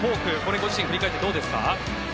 ご自身振り返ってどうですか。